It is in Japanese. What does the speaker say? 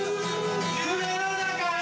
夢の中へ